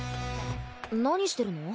何してるの？